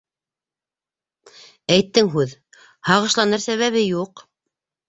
Әйттең һүҙ! һағышланыр сәбәбе юҡ.